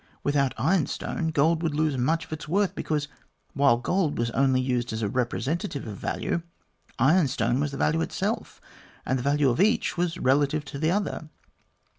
Without ironstone gold would lose much of its worth, because, while gold was only used as a representative of value, ironstone was the value itself, and the value of each was relative to the other.